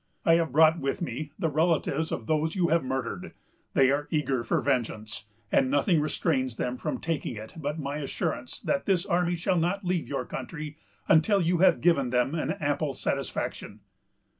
I have brought with me the relatives of those you have murdered. They are eager for vengeance, and nothing restrains them from taking it but my assurance that this army shall not leave your country until you have given them an ample satisfaction.